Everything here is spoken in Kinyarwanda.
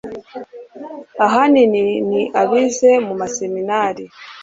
ahanini ni abize mu maseminari